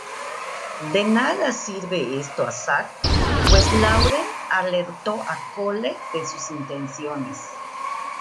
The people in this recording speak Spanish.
De nada sirve esto a Sark, pues Lauren alertó a Cole de sus intenciones.